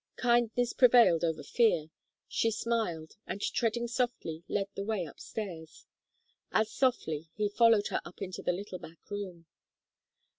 Kindness prevailed over fear; she smiled, and treading softly, led the way up stairs. As softly, he followed her up into the little back room.